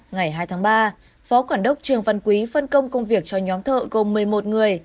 ngày hai tháng ba phó quản đốc trường văn quý phân công công việc cho nhóm thợ gồm một mươi một người